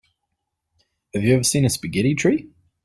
Have you ever seen a spaghetti tree?